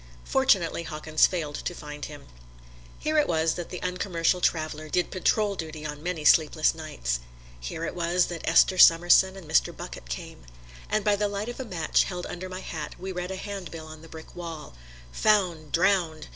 Fortunately Hawkins failed to find him. Here it was that the Uncommercial Traveler did patrol duty on many sleepless nights. Here it was that Esther Summerson and Mr. Bucket came. And by the light of a match held under my hat we read a handbill on the brick wall: "Found Drowned!"